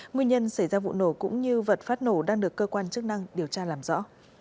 nguyên nhân xảy ra vụ nổ cũng như vật phát nổ đang được cơ quan chức năng điều tra làm rõ